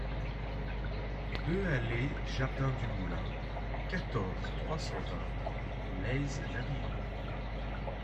deux allée Jardin du Moulin, quatorze, trois cent vingt, Laize-la-Ville